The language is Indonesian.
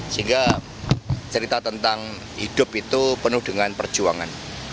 sehingga cerita tentang hidup itu penuh dengan perjuangan